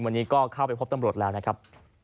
วันนี้ก็เข้าไปพบตำรวจแล้วนะครับ